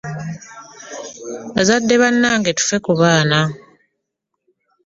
Bazadde bannange tuffe ku baana.